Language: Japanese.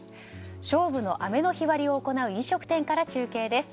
勝負の雨の日割を行う飲食店から中継です。